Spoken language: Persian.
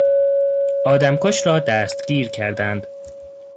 آدمکش را دستگیر کردند.